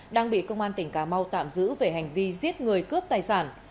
đang bị công an tỉnh cà mau tạm giữ về hành vi giết người cướp tài sản